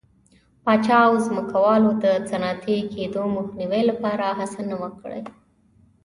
پاچا او ځمکوالو د صنعتي کېدو مخنیوي لپاره هڅه نه وه کړې.